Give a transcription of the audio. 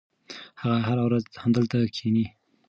هغه هره ورځ همدلته کښېني.